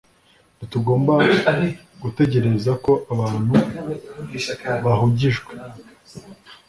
Ntitugomba gutegereza ko abantu bahugijwe